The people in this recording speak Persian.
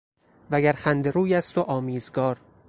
و گر خنده روی است و آمیزگار